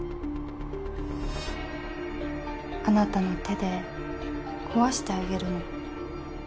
あなたの手で壊してあげるの。